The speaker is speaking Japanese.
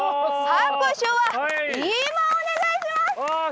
拍手は今お願いします！